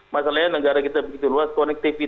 masalahnya negara kita begitu luas connectivity